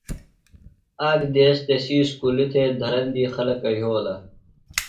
آ ک دیس تسی اُسکُلیۡ تھےۡ دھرندی خلکہ یھولہ۔